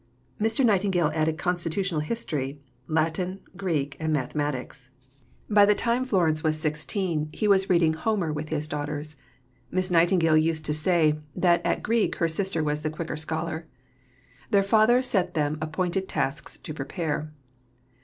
Mr. Nightingale added constitutional history, Latin, Greek, and mathematics. By the time Florence was sixteen, he was reading Homer with his daughters. Miss Nightingale used to say that at Greek her sister was the quicker scholar. Their father set them appointed tasks to prepare.